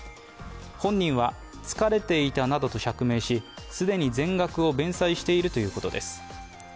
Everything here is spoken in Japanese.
本人は、疲れていたなどと釈明し、既に全額を弁済しているということです。